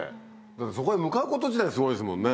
そこへ向かうこと自体すごいですもんね。